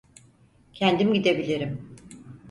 Kendim gidebilirim.